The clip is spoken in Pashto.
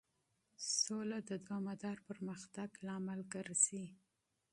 سوله د دوامدار پرمختګ لامل ګرځي.